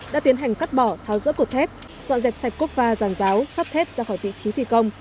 đã tiến hành cắt bỏ tháo dỡ cổ thép dọn dẹp sạch cốt va dàn giáo sắt thép ra khỏi vị trí thi công